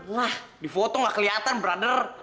lah di foto gak keliatan brother